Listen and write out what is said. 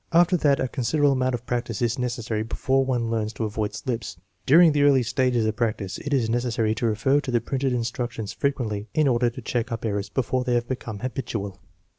After that a consid erable amount of practice is necessary before one learns to avoid slips. During the early stages of practice it is neces sary to refer to the printed instructions frequently in order to check up errors before they have become habitual.